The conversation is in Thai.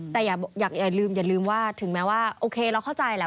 แต่อย่าลืมอย่าลืมว่าถึงแม้ว่าโอเคเราเข้าใจแหละ